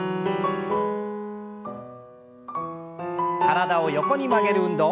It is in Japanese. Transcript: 体を横に曲げる運動。